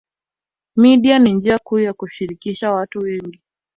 Media ni njia kuu ya kushirikisha watu wengi